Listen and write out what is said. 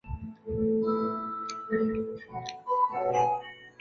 扶余郡是古百济国的首都。